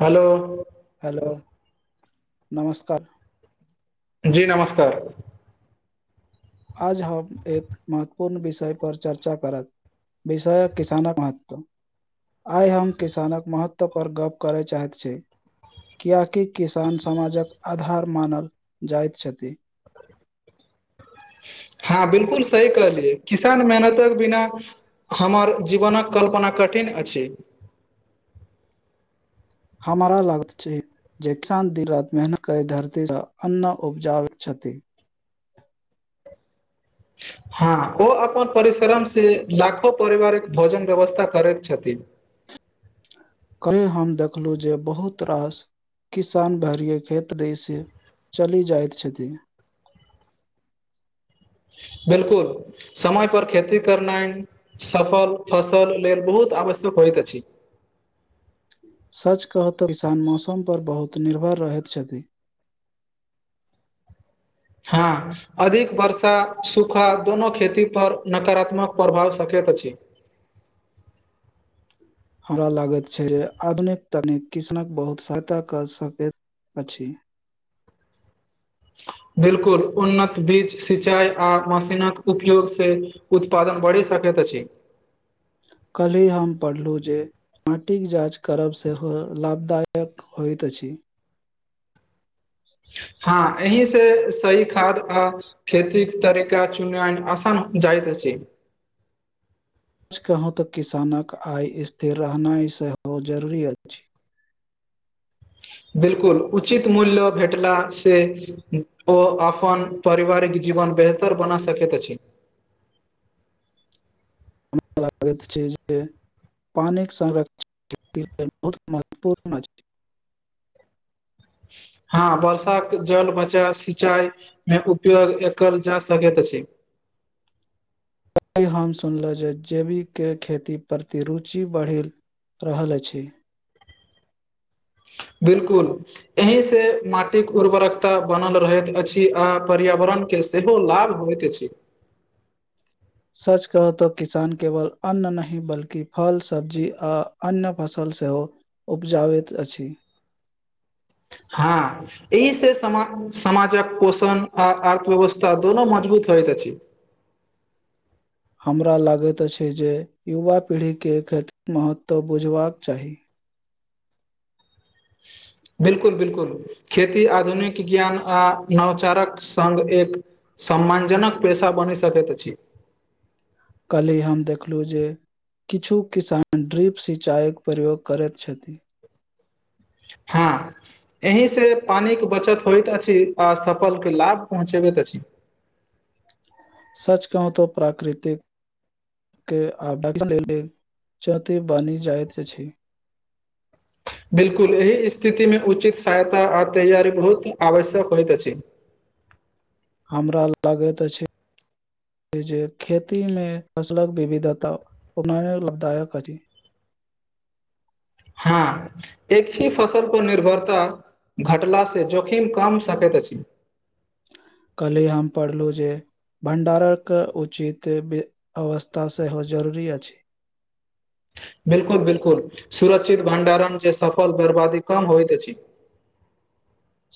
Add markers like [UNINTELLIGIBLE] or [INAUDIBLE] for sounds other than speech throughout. ह लो हेलो नमस्कार जी नमस्कार आज हम एक महत्वपूर्ण विषय पर चर्चा करत विषयक किसानक महत्व आइ हम किसानक महत्व पर गप करैत चाहैत छी किया कि किसान समाजक आधार मानल जाइत छथि [INAUDIBLE] हँ बिलकुल सही कहलियै किसान मेहनतक बिना हमर जीवनक कल्पना कठिन अछि हमारा लाग छै जे किसान दिन रति मेहनत करै धरतीसँ अन्न उपजाबै छ [UNINTELLIGIBLE] [INAUDIBLE] [INAUDIBLE] हँ ओ अपन परिश्रम से लाखो परिवारिक भोजन व्यवस्था करैत छथि [INAUDIBLE] कल हम देखलहुँ जे बहुत रास किसान भरे खेत दै से चली जाइत छथिन, [INAUDIBLE] बिलकुल समय पर खेती करनाइ सफल फसल लेल बहुत आवश्यक हो होयत अछि सच कहतऽ किसान मौसम पर बहुत निर्भर रहैत छथि [INAUDIBLE] हँ अधिक वर्षा सूखा दोनो खेती पर नकारात्मक प्रभाव सक सकैत अछि हमरा लागैत छै आधुनिक तनिक किष्णक बहुत सहायता कऽ सकैत अछि [INAUDIBLE] बिलकुल उन्नत बीज सिंचाई आ मशीनक उपयोग से उत्पादन बढ़ि सकै त अछि कल्हि हम पढ़लहु जे माटिक जाँच करब सेहो लाभदायक होइत अछि हँ यही से सही खाद आ खेती के तरीका चुननाय आसान जाइत छै आज कहूँ तक किसानक आय स्थिर रहनाइ सेहो जरूरी अछि बिलकुल उचित मूल्य भेटला से ओ अपन पारिवारिक जीवन बेहतर बना सकैत अछि हमरा लागैत अछी जे पानिक संरक्षण ख बहुत महत्वपूर्ण हो [UNINTELLIGIBLE] [INAUDIBLE] हँ वर्षाक जल बचाव सिंचाई मे उपयोग एकर जा सकैत अछि [INAUDIBLE] आइ हम सुनलहुँ जे जेैविके खेती प्रति रुचि बढ़ी रहल अछि [INAUDIBLE] बिल्कुल एहि से माटिक उर्वरकता बनल रहैत अछि आ पर्यावरण के सेहो लाभ होयत अछि सच कहअ तँ किसान केवल अन्न नहि बल्कि फल सब्जी आ अन्य फसल से सेहो उपजाबैत अछि [INAUDIBLE] हँ एहि से समा समाजक पोषण आ अर्थव्यवस्था दोनो मजबूत होयत अछि हमरा लागैत अछि जे युवा पीढ़ी केँ खेति के महत्व बुझबाक चाही [INAUDIBLE] बिलकुल बिलकुल खेती आधुनिक ज्ञान आ नवचारक सङ्ग एक सम्मानजनक पेशा बनि सकैत अछि काल्हि हम देखलु जे किछु किसान ड्रिप सिंचायक प्रयोग करैत छथि हँ एहि से पानी के बचत होइत अछि आ सफल के लाभ पहुँचे होइत अछि सच कहूं तो प्राकृतिक दर्शन लेल चौति बनि जाइत अछि बिल्कुल एहि स्थितिमे उचित सहायता आ तैयारी बहुत आवश्यक होइत अछि [INAUDIBLE] हमरा लागैत अछि जे खेती मे फसलक विविधता उना लदायक अछि हँ एक ही फसल पर निर्भरता घटला से जोखिम कम सकैत अछि काल्हि हम पढ़लहुँ जे भण्डारक उचित अवस्था सेहो जरूरी अछि [INAUDIBLE] बिल्कुल बिल्कुल सुरक्षित भण्डारण जे सफल बर्बादी कम होइत अछि [INAUDIBLE]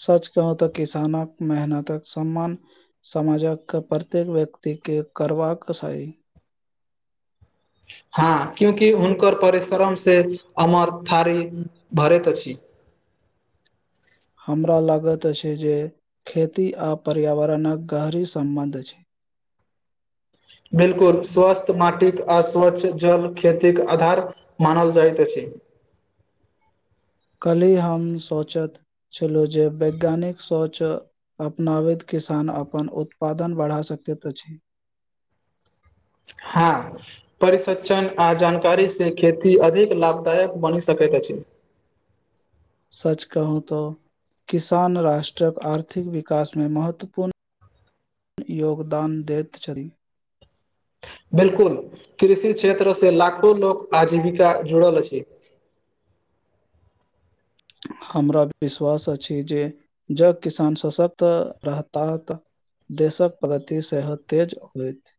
सच कहू तऽ किसानक मेहनतक सम्मान समाजक प्रत्येक व्यक्ति के करवा कसाई [INAUDIBLE] हँ क्यूंकि हुनकर परिश्रम से अमर थारी भरैत अछि [INAUDIBLE] हमरा लागैत अछि जे खेती आ पर्यावरणक गहरी सम्बन्ध अछि [INAUDIBLE] बिल्कुल स्वास्थ माटिक अस्वच्छ जल खेती के आधार मानल जाइत अछि [UNINTELLIGIBLE] काल्हि हम सोचैत छलहुँ जे वैज्ञानिक सोच अपनाबैत किसान अपन उत्पादन बढ़ा सकैत अछि [UNINTELLIGIBLE] हां परिसज्जन आ जानकारी से खेती अधिक लाभदायक बनि सकैत अछि [INAUDIBLE] सच कहू तऽ किसान राष्ट्रक आर्थिक विकासमे महत्वपूर्ण योगदान दैत छथि बिल्कुल कृषि क्षेत्र से लाखो लोक आजीविका जुड़ल अछि [INAUDIBLE] [INAUDIBLE] हमरा विश्वास अछि जे जऽ किसान सशक्त रहता तऽ देशक प्रगति सेहत तेज होयत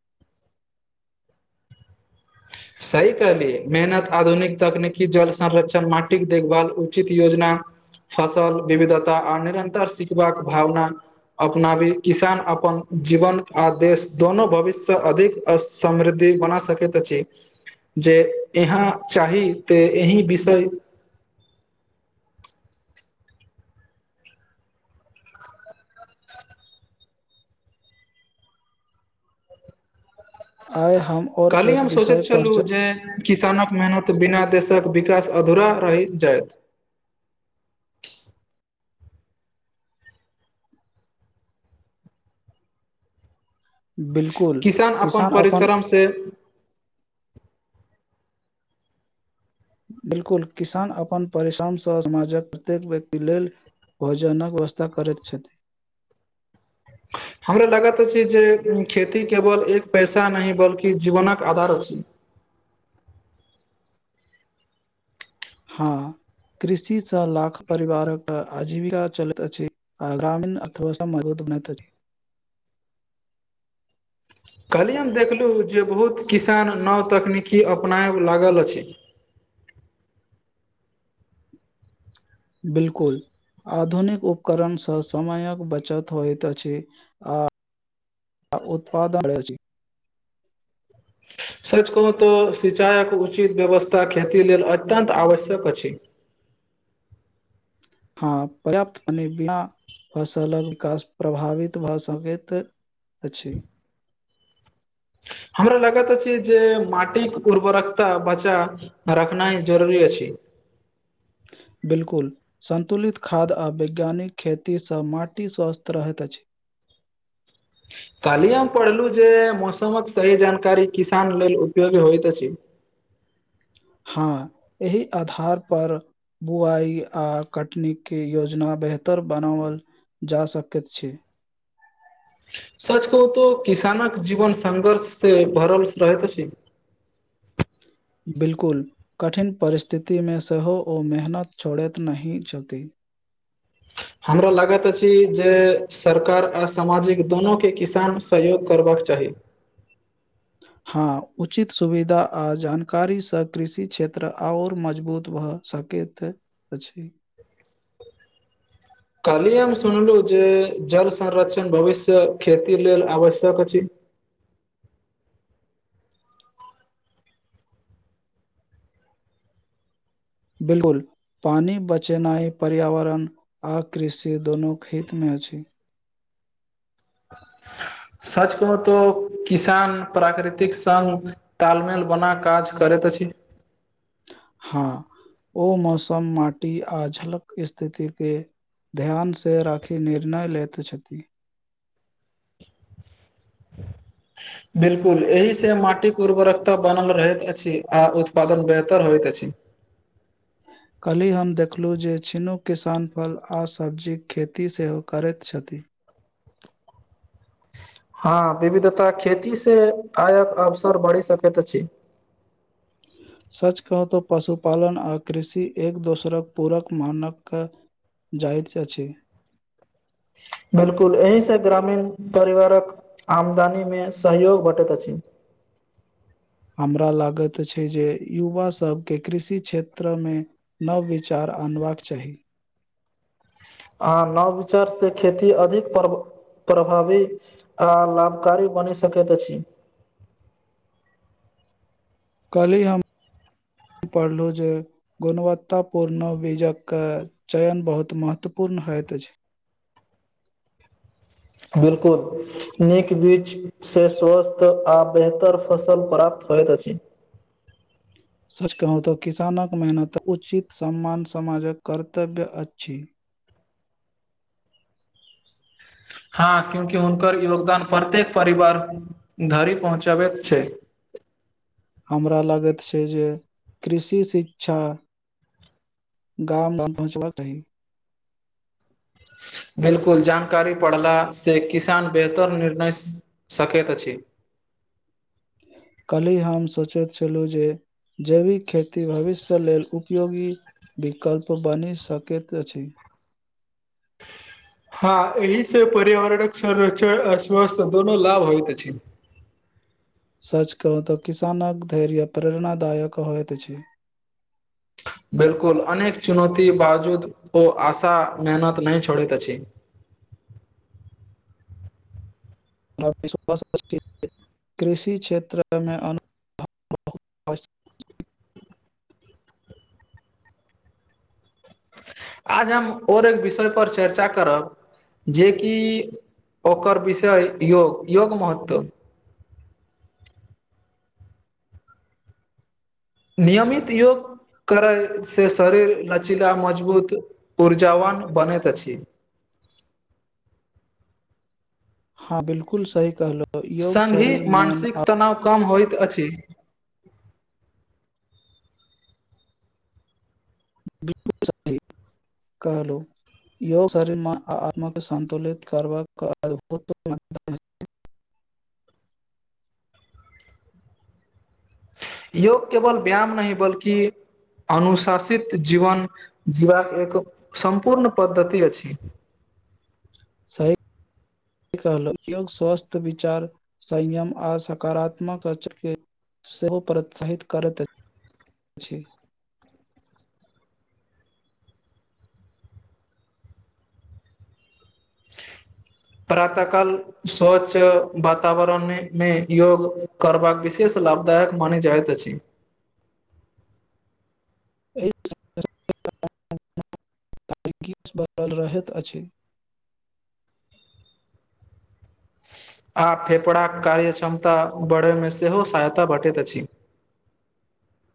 [INAUDIBLE] सही कहलियै मेहनत आधुनिक तकनीकी जल संरक्षण माटिक देखभाल उचित योजना फसल विविधता आर निरन्ता सिखबाक भावना अपनाबी किसान अपन जीवन आ देश दोनो भविष्य अधिक समृद्धि बना सकैत जे यहाँ चाही तऽ एहि विषय [INAUDIBLE] आइ हम और कहली एक हम विषय सोचैत पर छलु च- जे किसानक मेहनत बिना दे क विकास अधूरा रहि जायत किसान अपन परिश्रमसे बिल्कुल किसान अपन परिश्रमसं समाजक प्रत्येक व्यक्ति लेल भोजनक व्यवस्था करैत छथि [INAUDIBLE] हमरा लागत छै जे खेती केवल एक पैसा नहि बल्कि जीवनक आधार अछि [INAUDIBLE] हां कृषि सँ लाख परिवारक आजीविका चलैत अछि आ ग्रामीण अथवा [UNINTELLIGIBLE] [INAUDIBLE] कहलियनि देखलु जे बहुत किसान नव तकनीकी अपनायब लागल अछि [INAUDIBLE] बिलकुल आधुनिक उपकरण सँ समयक बचत होइत अछि आ आ उत्पाद आड़ै छी [INAUDIBLE] सच कहू तऽ सिंचायक उचित व्यवस्था खेती लेल अत्यन्त आवश्यक अछि [INAUDIBLE] हँ पर्याप्त मने बिना फसलक विकास प्रभावित भऽ सकैत अछि [INAUDIBLE] हमरा लागैत अछि जे माटिक उर्वरकता बचा रखनाइ जरुरी अछि [INAUDIBLE] बिल्कुल सन्तुलित खाद आ वैज्ञानिक खेती सँ माटि स्वस्थ रहैत अछि [INAUDIBLE] कहली हम पढ़लहु जे मौसमक सही जानकारी किसान लेल उपयोगी होइत अछि [INAUDIBLE] हँ एहि आधार पर बुआई आ कटनी के योजना बेहतर बनावल जा सकैत छै सच कहू तो किसानक जीवन संघर्ष से भरल रहैत अछि [INAUDIBLE] बिलकुल कठिन परिस्थिति मे सेहो ओ मेहनत छोड़ैत नहि छथि [INAUDIBLE] हमरा लागत अछि जे सरकार आ सामाजिक दोनो के किसान सहयोग करबक चाही [INAUDIBLE] हँ उचित सुविधा आ जानकारी सँ कृषि क्षेत्र अओर मजबूत भए सक सकैत अछि [INAUDIBLE] कहलियै हम सुनलु जे जल संरक्षण भविष्य खेती लेल आवश्यक अछि [INAUDIBLE] बिलकुल पानी बचेनाइ पर्यावरण आ कृषि दुनुक हित मे अछि [INAUDIBLE] सच कहु तऽ किसान प्राकृतिक संग तालमेल बना काज करैत अछि [INAUDIBLE] हँ ओ मौसम माटी आ झलक स्थिति के ध्यान से राखी निर्णय लैत छथि ह [INAUDIBLE] बिलकुल एहि से माटिक उर्वरकता बनल रहैत अछि आ उत्पादन बेहतर होइत अछि [INAUDIBLE] काल्हि हम देखलहुँ जे छिनू किसान फल आ सब्जीक खेती सेहो करैत छथि [INAUDIBLE] हँ विविधता खेती से आयक अवसर बढ़ि सकैत अछि [INAUDIBLE] सच कहू त पशुपालन आ कृषि एक दोसरक पूरक मानक क जाहित अछी [UNINTELLIGIBLE] बिल्कुल एहिसँ ग्रामीण परिवारक आमदनीमे सहयोग भेटैत अछि हमरा लागैत अछि जे युवा सबके कृषि क्षेत्रमे नवविचार आनबाक चाही ह नवविचार से खेती अधिक पर प्रभावी आ लाभकारी बनि सकैत अछि कलहि हम ह पढ़लु जे गुणवत्तापूर्ण बीजकके चयन बहुत महत्वपूर्ण होइत अछि [INAUDIBLE] बिलकुल नीक बीच से स्वस्थ आ बेहतर फसल प्राप्त होयत अछि [INAUDIBLE] सच कहू त किसानक मेहनत उचित सम्मान समाजक कर्तव्य अच्छी हँ क्यूंकि हुनकर योगदान प्रत्येक परिवार धरि पहुँचाबैत छै [INAUDIBLE] हमरा लागैत छै जे कृषि शिक्षा गाम ग पहुँचबाक चाहि न [INAUDIBLE] बिलकुल जानकारी पढ़लासे किसान बेहतर निर्णय सकैत अछि [INAUDIBLE] क्लिह हम सोचैत छलु जे जैविक खेती भविष्य लेल उपयोगी विकल्प बनि सकैत छै हँ एही से पर्यावरणक संरच्छन आ स्वसथ दोनो लाभ होइ त अछि [INAUDIBLE] सच कहू तऽ किसानक धैर्य प्रेरणादायक होइत अछी [INAUDIBLE] बिलकुल अनेक चुनौती बावजूद ओ आशा मेहनत नहि छोड़ैत अछि [INAUDIBLE] कृषि क्षेत्रमे [INAUDIBLE] आज हम और एक विषय पर चर्चा करब जेकि ओकर विषय योग योग महत्व नियमित योग करय से शरीर लचीला मजबूत ऊर्जावान बनैत अछि [INAUDIBLE] हँ बिलकुल सही कहलो सङ्गहि मानसिक तनाव कम होइत अछि [INAUDIBLE] कहलौ योग शरीर आत्म के संन्तुलित करबाक अद्भुत म [UNINTELLIGIBLE] [INAUDIBLE] योग केवल व्याम नहि बल्कि अनुशासित जीवन जीबाक एक सम्पूर्ण पद्धति अछि [INAUDIBLE] सही ई कहल योग स्वस्थ विचार संयम आओर सकारात्मक रच के [UNINTELLIGIBLE] सेहो प्रोत्साहित करैत अछि [INAUDIBLE] [INAUDIBLE] प्रातः काल स्वछ्य वातावरण मे योग करबाक विशेष लाभदायक मान जायत अछि एहि [UNINTELLIGIBLE] ताक बल रत अछि [UNINTELLIGIBLE] आ फेफड़ाक कार्य क्षमता बढ़यमे सेहो सहायता भेटैत अछि [INAUDIBLE]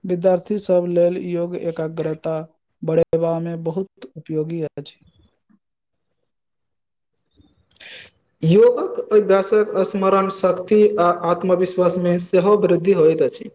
विद्यार्थी सभ लेल योग एकाग्रता बढ़ैत सेवामे बहुत उपयोगी अछि [INAUDIBLE] योगक अभ्यासक स्मरण शक्ति आ आत्मविश्वास मे सेहो वृद्धि होयइत चची